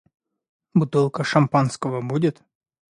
Бутылка шампанского будет?